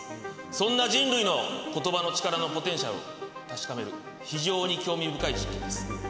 そんな人類の言葉の力のポテンシャルを確かめる非常に興味深い実験です。